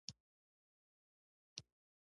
انګور په شمالی کې مشهور دي